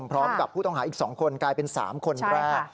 พร้อมกับผู้ต้องหาอีก๒คนกลายเป็น๓คนแรก